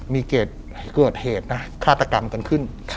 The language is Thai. มีเกษเกิดเหตุนะฆาตกรรมกันขึ้น